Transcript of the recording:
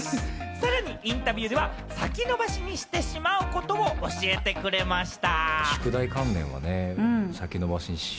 さらにインタビューでは先延ばしにしてしまうことを教えてくれました。